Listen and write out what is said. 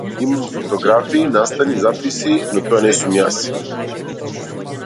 Имам фотографии, настани, записи, но тоа не сум јас.